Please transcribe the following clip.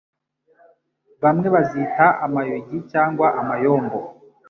bamwe bazita amayugi cyangwaAmayombo